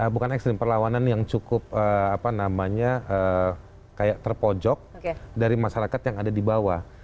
bukan ekstrim perlawanan yang cukup apa namanya kayak terpojok dari masyarakat yang ada di bawah